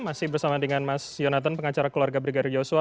masih bersama dengan mas yonatan pengacara keluarga brigadir yosua